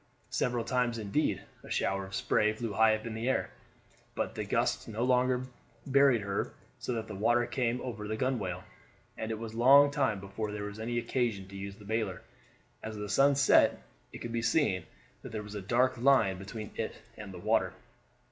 Several times, indeed, a shower of spray flew high up in the air, but the gusts no longer buried her so that the water came over the gunwale, and it was a long time before there was any occasion to use the bailer. As the sun set it could be seen that there was a dark line between it and the water.